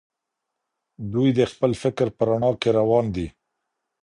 دوی د خپل فکر په رڼا کي روان دي.